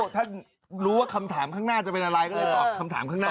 ท่านรู้ว่าคำถามข้างหน้าจะเป็นอะไรก็เลยตอบคำถามข้างหน้า